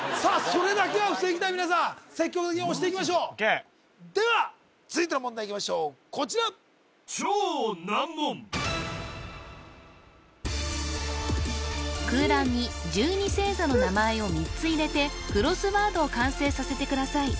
それだけは防ぎたい皆さん積極的に押していきましょうでは続いての問題いきましょうこちら空欄に１２星座の名前を３つ入れてクロスワードを完成させてください